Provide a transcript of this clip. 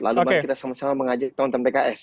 lalu mari kita sama sama mengajak tonton pks